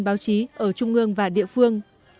báo chí ở trung quốc